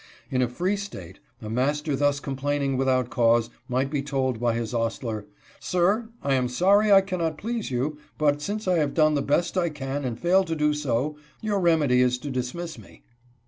In a free State, a master thus complaining without cause, might be told by his ostler :" Sir, I am sorry I cannot please you, but since I have done the best I can and fail to do so, your remedy is to dismiss me."